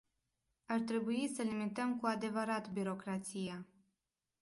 Ar trebui să limităm cu adevărat birocrația.